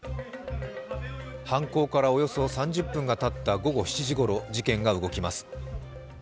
犯行からおよそ３０分がたった午後７時ごろ、事件が動きます。